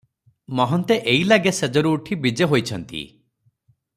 ମହନ୍ତେ ଏଇଲାଗେ ଶେଯରୁ ଉଠି ବିଜେ ହୋଇଛନ୍ତି ।